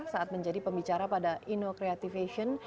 saat menjadi pembicara pada inno creativation